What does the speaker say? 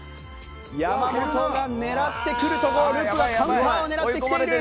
山本が狙ってくるところをＬｕｐはカウンターを狙ってきている。